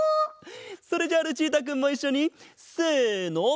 それじゃあルチータくんもいっしょにせの。